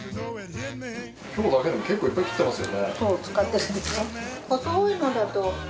今日だけでも結構いっぱい切ってますよね。